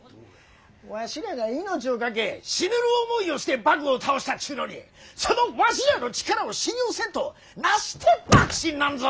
わしらが命をかけ死ぬる思いをして幕府を倒したっちゅうのにそのわしらの力を信用せんとなして幕臣なんぞ。